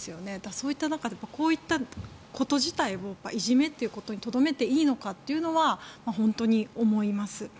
そういった中でこういったこと自体をいじめということにとどめていいのかというのは本当に思います。